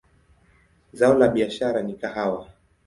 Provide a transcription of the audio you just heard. Zao la biashara ni kahawa.